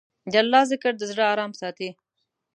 د الله ذکر، د زړه ارام دی.